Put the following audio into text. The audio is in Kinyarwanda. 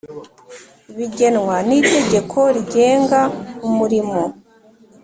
Bigenwa n’itegeko rigenga umurimo